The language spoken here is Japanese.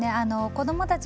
子どもたち